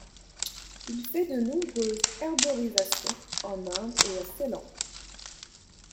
Il fait de nombreuses herborisations en Inde et à Ceylan.